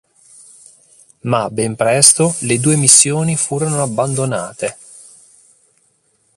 Ma ben presto le due missioni furono abbandonate.